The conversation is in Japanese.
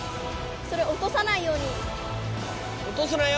それ落とさないように。